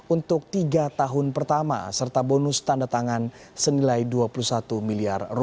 untuk tiga tahun pertama serta bonus tanda tangan senilai rp dua puluh satu miliar